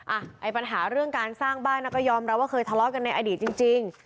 ไอ้ปัญหาเรื่องการสร้างบ้านก็ยอมรับว่าเคยทะเลาะกันในอดีตจริง